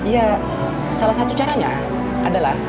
ya salah satu caranya adalah